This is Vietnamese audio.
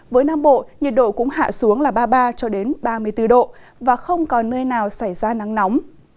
với nam bộ nhiệt độ cũng hạ xuống là ba mươi ba ba mươi bốn độ và không còn nơi nào xảy ra nắng nóng